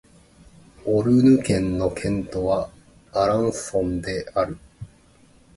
オルヌ県の県都はアランソンである